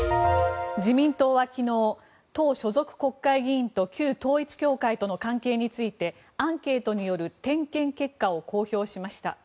自民党は昨日、党所属国会議員と旧統一教会との関係についてアンケートによる点検結果を公表しました。